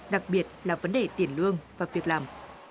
đặc biệt là vấn đề tiền lương và việc làm